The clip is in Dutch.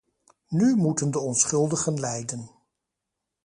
Nu moeten de onschuldigen lijden.